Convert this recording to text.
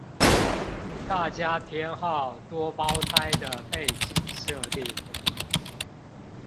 大家偏好多胞胎的背景設定